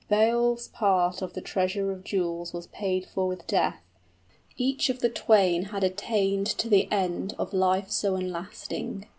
Beowulf's part of The treasure of jewels was paid for with death; Each of the twain had attained to the end of Life so unlasting.